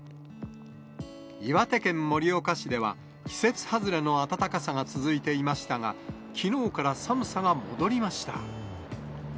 岩手県盛岡市では、季節外れの暖かさが続いていましたが、きのうから寒さが戻りました。